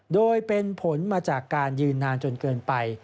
โดยเป็นผลมาจากการยืนนานจนเกินไป